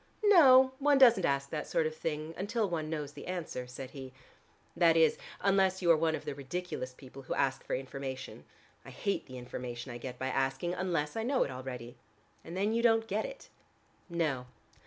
"No, one doesn't ask that sort of thing until one knows the answer," said he. "That is, unless you are one of the ridiculous people who ask for information. I hate the information I get by asking, unless I know it already." "And then you don't get it." "No.